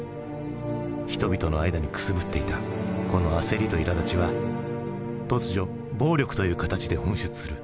人々の間にくすぶっていたこの焦りといらだちは突如暴力という形で噴出する。